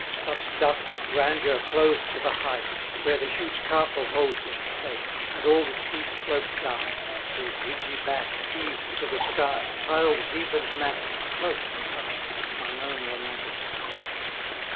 Such dusky grandeur clothed the height, Where the huge Castle holds its state, And all the steep slope down, Whose ridgy back heaves to the sky, 615 Piled deep and massy, close and high, Mine own romantic town!